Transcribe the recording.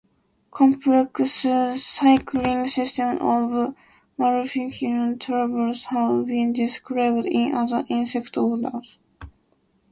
Complex cycling systems of Malpighian tubules have been described in other insect orders.